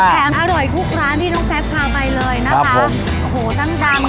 แขนอร่อยทุกร้านที่น้องแซ็กพาไปเลยนะคะครับผมโอ้โหทั้งดัง